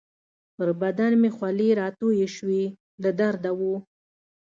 پر بدن مې خولې راتویې شوې، له درده وو.